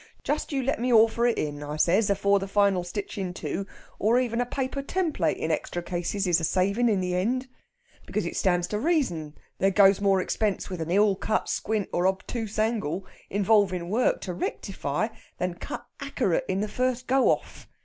'Just you let me orfer it in,' I says 'afore the final stitchin' to, or even a paper template in extra cases is a savin' in the end.' Because it stands to reason there goes more expense with an ill cut squint or obtoose angle, involvin' work to rectify, than cut ackerate in the first go off.